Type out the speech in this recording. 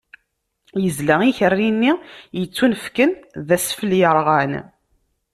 Izla ikerri-nni yettunefken d asfel yerɣan.